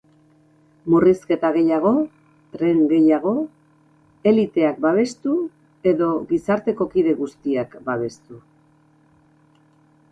Murrizketa gehiago, tren gehiago, eliteak babestu edo gizarteko kide guztiak babestu?